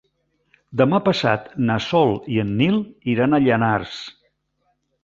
Demà passat na Sol i en Nil iran a Llanars.